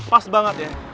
pas banget ya